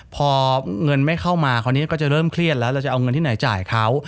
พอเงินไม่เข้ามาคราวนี้ก็จะเริ่มเครียดแล้วเราจะเอาเงินที่ไหนจ่ายเขา